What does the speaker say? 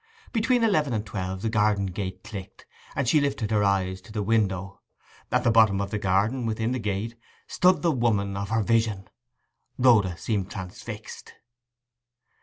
Between eleven and twelve the garden gate clicked, and she lifted her eyes to the window. At the bottom of the garden, within the gate, stood the woman of her vision. Rhoda seemed transfixed.